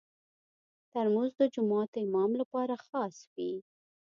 ترموز د جومات امام لپاره خاص وي.